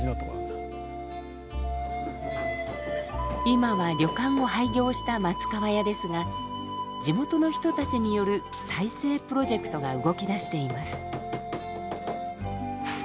今は旅館を廃業した松川屋ですが地元の人たちによる再生プロジェクトが動きだしています。